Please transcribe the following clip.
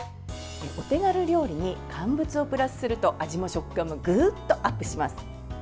お手軽料理に乾物をプラスすると味も食感もグッとアップします。